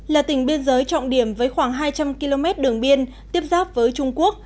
là tỉnh biên giới trọng điểm với khoảng hai trăm linh km đường biên tiếp giáp với trung quốc